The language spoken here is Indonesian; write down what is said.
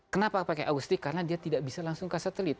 kenapa pakai agustik karena dia tidak bisa langsung ke satelit